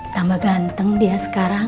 tambah ganteng dia sekarang